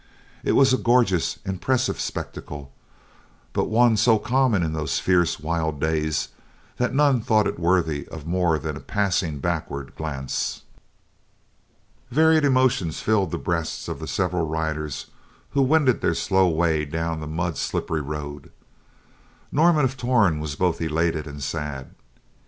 It was a gorgeous, impressive spectacle, but one so common in those fierce, wild days, that none thought it worthy of more than a passing backward glance. Varied emotions filled the breasts of the several riders who wended their slow way down the mud slippery road. Norman of Torn was both elated and sad.